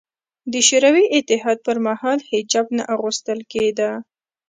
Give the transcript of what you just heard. د شوروي اتحاد پر مهال حجاب نه اغوستل کېده